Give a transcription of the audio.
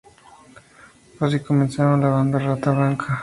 Así comenzaron la banda Rata Blanca.